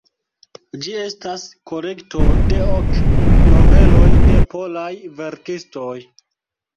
Ĝi estas kolekto de ok noveloj de polaj verkistoj.